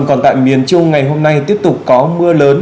còn tại miền trung ngày hôm nay tiếp tục có mưa lớn